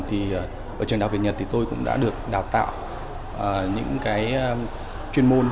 thì ở trường đại học việt nhật thì tôi cũng đã được đào tạo những cái chuyên môn